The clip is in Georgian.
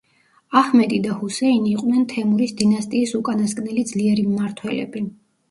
აჰმედი და ჰუსეინი იყვნენ თემურის დინასტიის უკანასკნელი ძლიერი მმართველები.